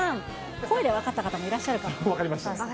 声で分かった方もいらっしゃるかも。